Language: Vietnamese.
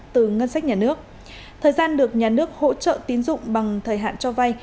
từ ngân sách nhà nước thời gian được nhà nước hỗ trợ tín dụng bằng thời hạn cho vay